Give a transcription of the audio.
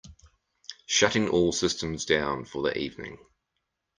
Shutting all systems down for the evening.